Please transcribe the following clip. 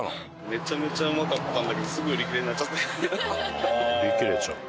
めちゃめちゃうまかったんだけどすぐ売り切れになっちゃって。